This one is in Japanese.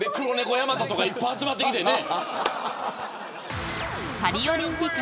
ヤマトとかいっぱい集まってきてね。